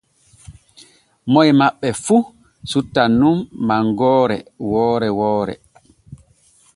Moy maɓɓe fu suttan nun mangoore woore woore.